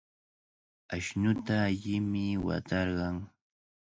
Ashnuta allimi watarqan.